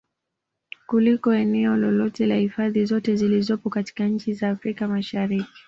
Kuliko eneo lolote la hifadhi zote zilizopo katika nchi za Afrika Mashariki